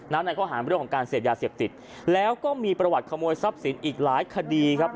ในข้อหารเรื่องของการเสพยาเสพติดแล้วก็มีประวัติขโมยทรัพย์สินอีกหลายคดีครับ